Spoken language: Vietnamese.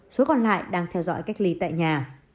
số còn lại đang theo dõi cách ly tại nhà